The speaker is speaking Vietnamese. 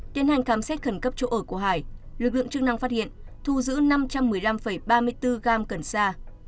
đến hành khám xét khẩn cấp chỗ ở của hải lực lượng chương năng phát hiện thu giữ năm trăm một mươi năm ba mươi bốn g cần sa